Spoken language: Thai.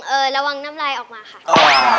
เอ่อระวังน้ำไลน์ออกมาค่ะ